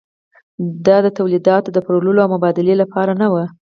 دا تولیدات د پلورلو او مبادلې لپاره نه وو.